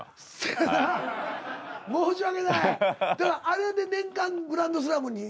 あれで年間グランドスラムに。